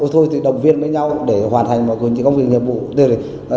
thôi thì đồng viên với nhau để hoàn thành mọi công việc nhiệm vụ